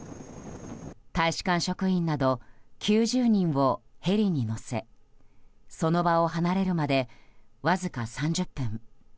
大使館職員など９０人をヘリに乗せその場を離れるまでわずか３０分。